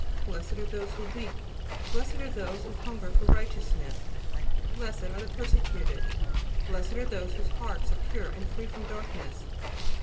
Blessed are those who weep, blessed are those who hunger for righteousness, blessed are the persecuted, blessed are those whose hearts are pure and free from darkness.